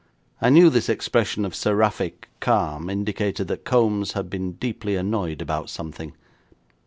I knew this expression of seraphic calm indicated that Kombs had been deeply annoyed about something.